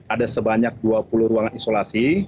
ada sebanyak dua puluh ruangan isolasi